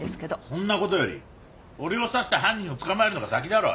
そんなことより俺を刺した犯人を捕まえるのが先だろ。